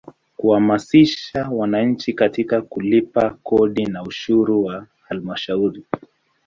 Kuhamasisha wananchi katika kulipa kodi na ushuru wa Halmashauri.